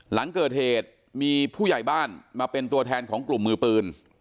หลังเกิดเหตุมีผู้ใหญ่บ้านมาเป็นตัวแทนของกลุ่มมือปืน